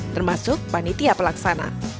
termasuk panitia pelaksana